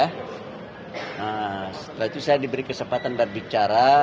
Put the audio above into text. nah setelah itu saya diberi kesempatan berbicara